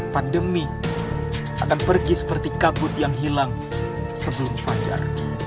pandemi akan pergi seperti kabut yang hilang sebelum fajar